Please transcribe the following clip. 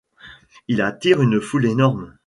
Il attire une foule énorme.